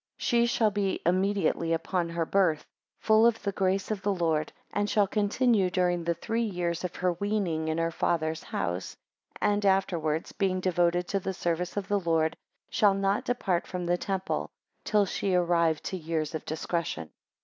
3 She shall be, immediately upon her birth, full of the grace of the Lord, and shall continue during the three years of her weaning in her father's house, and afterwards, being devoted to the service of the Lord, shall not depart from the temple, till she arrive to years of discretion.